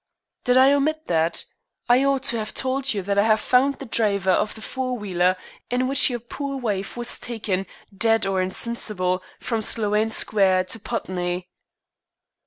"Did I omit that? I ought to have told you that I have found the driver of the four wheeler in which your poor wife was taken, dead or insensible, from Sloane Square to Putney."